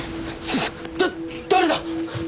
だ誰だっ